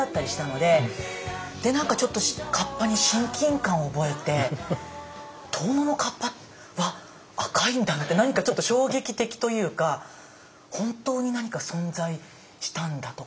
で何かちょっと河童に親近感を覚えて遠野の河童うわっ赤いんだ！なんて何かちょっと衝撃的というか本当に何か存在したんだとか。